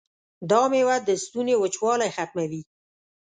دا میوه د ستوني وچوالی ختموي.